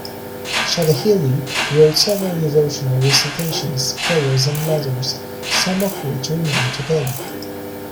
Shadhili wrote several devotional recitations, prayers and letters, some of which remain today.